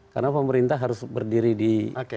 karena pemerintah harus berdiri di segala galungan kan